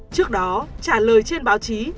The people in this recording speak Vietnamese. trước đó trả lời trên báo chí